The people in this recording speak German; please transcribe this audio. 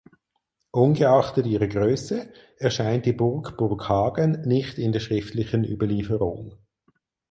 Ungeachtet ihrer Größe erscheint die Burg Burghagen nicht in der schriftlichen Überlieferung.